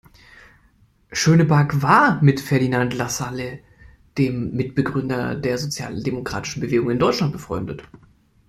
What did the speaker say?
Schönberg war mit Ferdinand Lassalle, dem Mitbegründer der sozialdemokratischen Bewegung in Deutschland, befreundet.